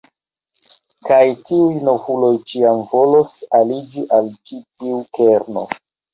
Kaj iuj novuloj ĉiam volos aliĝi al ĉi tiu kerno.